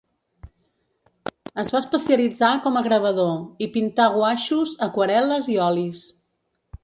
Es va especialitzar com a gravador, i pintà guaixos, aquarel·les i olis.